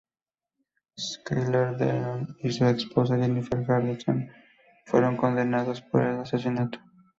Skylar DeLeon y su ex esposa Jennifer Henderson fueron condenados por el asesinato.